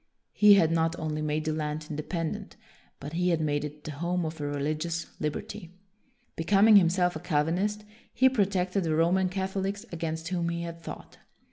He had not only made the land independ ent, but he had made it the home of reli gious liberty. Becoming himself a Cal vinist, he protected the Roman Catholics against whom he had fought.